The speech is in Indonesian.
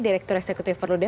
direktur eksekutif perludem